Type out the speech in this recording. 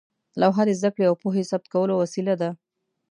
لوحه د زده کړې او پوهې ثبت کولو وسیله وه.